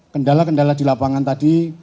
kendala kendala di lapangan tadi